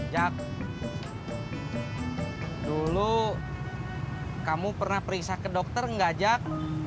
jak dulu kamu pernah periksa ke dokter nggak jak